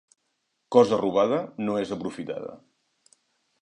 Cosa robada no és aprofitada.